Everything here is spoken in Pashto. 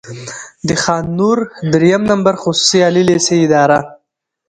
د خان نور دريیم نمبر خصوصي عالي لېسې اداره،